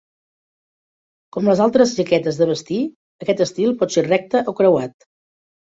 Com les altres jaquetes de vestir, aquest estil pot ser recte o creuat.